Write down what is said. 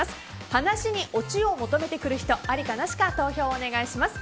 話にオチを求めてくる人ありかなしか投票をお願いします。